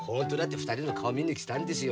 ２人の顔見に来たんですよ。